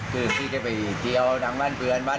คือที่จะไปเจียวน้ำมันเปลี่ยนบ้าน